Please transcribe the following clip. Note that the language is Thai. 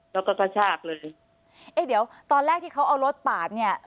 แล้วก็กระชากเลยเอ๊ะเดี๋ยวตอนแรกที่เขาเอารถปาดเนี่ย